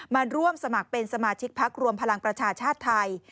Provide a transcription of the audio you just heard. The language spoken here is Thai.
มาร่วมสมัครเป็นสมาชิกพักรวมพลังประชาชาติไทย